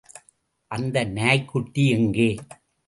அந்த நாய்க்குட்டி எங்கே?